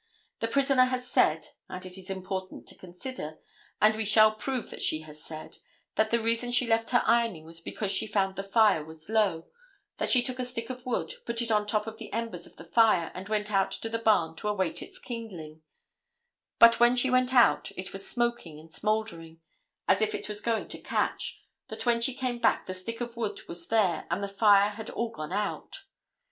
The prisoner has said—and it is important to consider, and we shall prove that she has said—that the reason she left her ironing was because she found the fire was low; that she took a stick of wood, put it on top of the embers of the fire and went out to the barn to await its kindling; that when she went out it was smoking and smoldering, as if it was going to catch; that when she came back the stick of wood was there and the fire had all gone out.